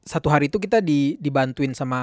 satu hari itu kita dibantuin sama